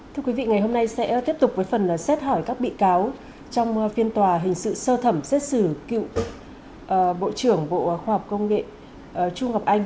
thưa quý vị ngày hôm nay sẽ tiếp tục với phần xét hỏi các bị cáo trong phiên tòa hình sự sơ thẩm xét xử cựu bộ trưởng bộ khoa học công nghệ chu ngọc anh